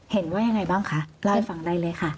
เห็นว่ายังไงบ้างคะรายฟังได้เลยค่ะ